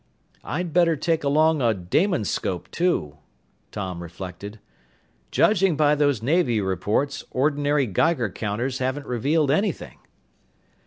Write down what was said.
"I'd better take along a Damonscope too," Tom reflected. "Judging by those Navy reports, ordinary Geiger counters haven't revealed anything."